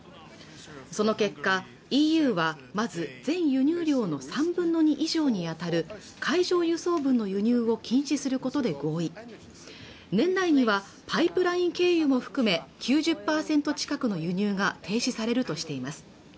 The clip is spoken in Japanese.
その結果ＥＵはまず全輸入量の３分の２以上に当たる海上輸送分の輸入を禁止することで合意し年内にはパイプライン経由も含め９０％近くの輸入が停止されるとしています